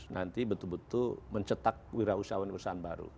nanti betul betul mencetak kewirausahaan usahaan baru